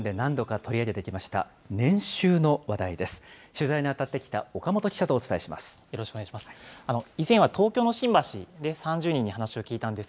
取材に当たってきた岡本記者とおよろしくお願いします。